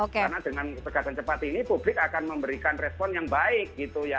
karena dengan tegap dan cepat ini publik akan memberikan respon yang baik gitu ya